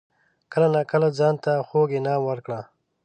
کله ناکله ځان ته خوږ انعام ورکړه.